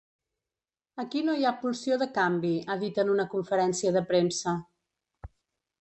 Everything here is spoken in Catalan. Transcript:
Aquí no hi ha pulsió de canvi, ha dit en una conferència de premsa.